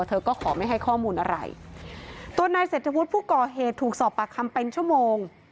เธอก็ขอไม่ให้ข้อมูลอะไรตัวนายเศรษฐวุฒิผู้ก่อเหตุถูกสอบปากคำเป็นชั่วโมง